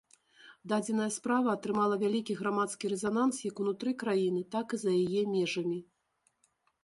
Дадзеная справа атрымала вялікі грамадскі рэзананс як унутры краіны, так і за яе межамі.